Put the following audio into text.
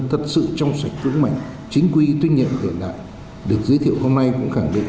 thật sự trong sạch vững mạnh chính quy tuyên nhiệm hiện đại được giới thiệu hôm nay cũng khẳng định